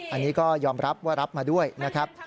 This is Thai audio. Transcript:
อันนี้ก็ยอมรับว่ารับมาด้วยนะครับ